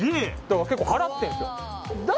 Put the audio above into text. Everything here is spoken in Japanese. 結構払ってるんですよ。